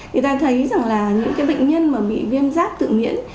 người ta thấy rằng là những bệnh nhân bị viêm giáp tự miễn